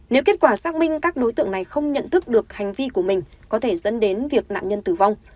nếu kết quả xác minh các đối tượng này không nhận thức được hành vi của mình có thể dẫn đến việc nạn nhân tử vong